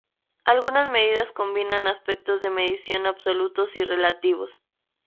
Algunas medidas combinan aspectos de medición absolutos y relativos.